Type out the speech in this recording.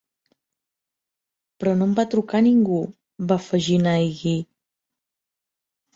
"Però no em va trucar ningú", va afegir Nighy.